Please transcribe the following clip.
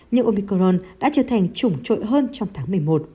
nhưng omicron đã trở thành chủng trội hơn trong tháng một mươi một